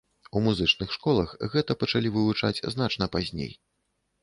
У музычных школах гэта пачалі вывучаць значна пазней.